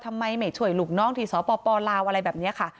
ทำไมไม่ช่วยลูกน้องที่สปลาวอะไรแบบนี้ค่ะ